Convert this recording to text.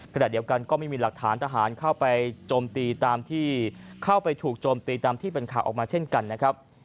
ขณะเดียวกันก็ไม่มีหลักฐานทหารเข้าไปจมตีตามที่เป็นข่าวออกมาเช่นกันนะครับ